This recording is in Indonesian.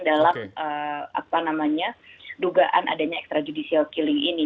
dalam dugaan adanya extrajudicial killing ini